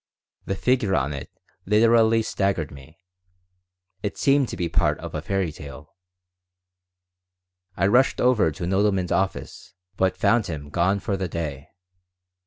The figure on it literally staggered me. It seemed to be part of a fairy tale I rushed over to Nodelman's office, but found him gone for the day.